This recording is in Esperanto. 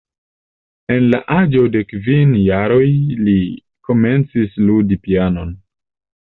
En la aĝo de kvin jaroj li komencis ludi pianon.